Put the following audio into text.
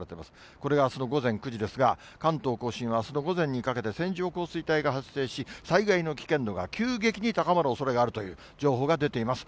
これがあすの午前９時ですが、関東甲信はあすの午前にかけて、線状降水帯が発生し、災害の危険度が急激に高まるおそれがあるという情報が出ています。